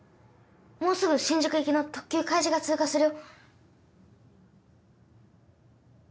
もうすぐ新宿行きの特急かいじが通過するよ。